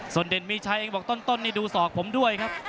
ส่วนเด่นมีชัยเองบอกต้นนี่ดูศอกผมด้วยครับ